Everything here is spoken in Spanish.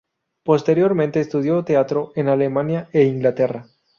Posteriormente estudió teatro en Alemania e Inglaterra.